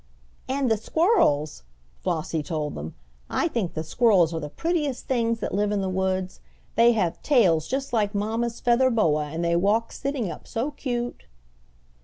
"And the squirrels," Flossie told them. "I think the squirrels are the prettiest things that live in the woods. They have tails just like mamma's feather boa and they walk sitting up so cute."